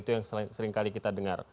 itu yang seringkali kita dengar